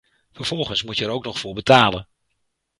Vervolgens moet je er ook nog voor betalen.